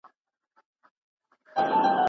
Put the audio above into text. هر څوک نسي کولی ښه ادبي څېړنه وکړي.